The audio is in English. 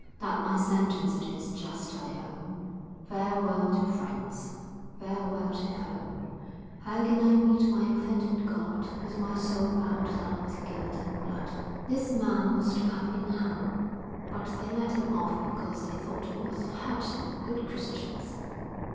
That my sentence it is just, I own, Farewell to friends, farewell to home, How can I meet my offended God, With my soul bow'd down with guilt and blood. "This man was to have been hung, but they let him off because they thought it would hurt him, good Christians."